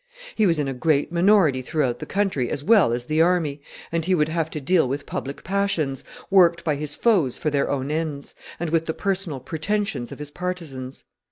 He was in a great minority throughout the country as well as the army, and he would have to deal with public passions, worked by his foes for their own ends, and with the personal pretensions of his partisans.